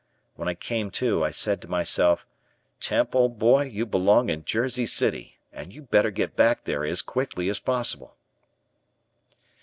When I came to I said to myself, "Emp, old boy, you belong in Jersey City and you'd better get back there as quickly as possible."